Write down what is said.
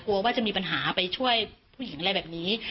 กลัวว่าจะมีปัญหาไปช่วยผู้หญิงอะไรแบบนี้